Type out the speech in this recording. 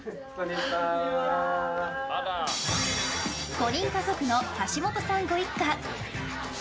５人家族の橋本さんご一家。